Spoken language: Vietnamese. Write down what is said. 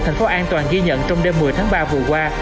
thành phố an toàn ghi nhận trong đêm một mươi tháng ba vừa qua